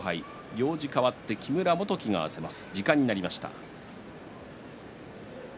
行司かわって木村元基が合わせます。